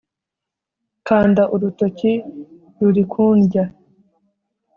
kandi urutoki ruri kundya